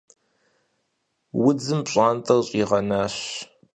Удзым пщӀантӀэр щӀигъэнащ.